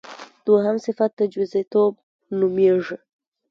دویم صفت تجویزی توب نومېږي.